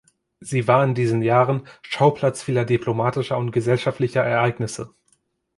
Sie war in diesen Jahren Schauplatz vieler diplomatischer und gesellschaftlicher Ereignisse.